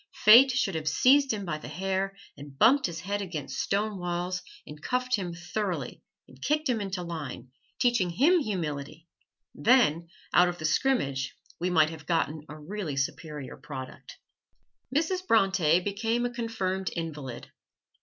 Fate should have seized him by the hair and bumped his head against stone walls and cuffed him thoroughly, and kicked him into line, teaching him humility, then out of the scrimmage we might have gotten a really superior product. Mrs. Bronte became a confirmed invalid.